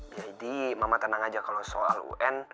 jadi mama tenang aja kalau soal un